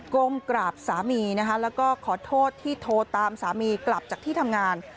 ก้มกราบสามีนะคะแล้วก็ขอโทษที่โทรตามสามีกลับจากที่ทำงาน